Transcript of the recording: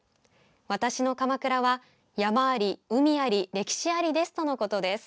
私の鎌倉は、山あり海あり歴史ありです、とのことです。